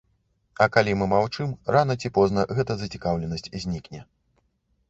А калі мы маўчым, рана ці позна гэта зацікаўленасць знікне.